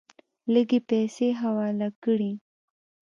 لږې پیسې حواله کړې.